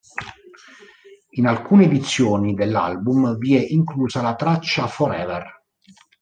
In alcune edizioni dell'album vi è inclusa la traccia "Forever".